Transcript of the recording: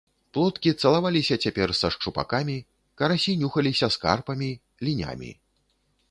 Плоткі цалаваліся цяпер са шчупакамі, карасі нюхаліся з карпамі, лінямі.